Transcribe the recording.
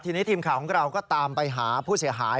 ทีนี้ทีมข่าวของเราก็ตามไปหาผู้เสียหาย